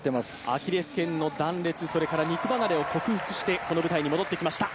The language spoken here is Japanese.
アキレスけんの断裂、肉ばなれを克服してこの舞台に戻ってきました。